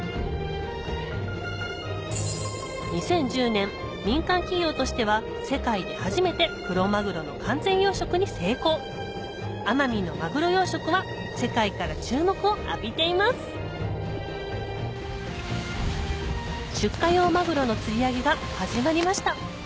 ２０１０年民間企業としては世界で初めてクロマグロの完全養殖に成功奄美のマグロ養殖は世界から注目を浴びています出荷用マグロの釣り上げが始まりました